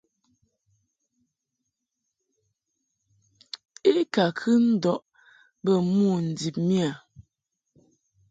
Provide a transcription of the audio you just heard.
I ka kɨ ndɔʼ bə mo ndib miƴa.